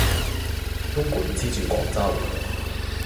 东莞黐住广州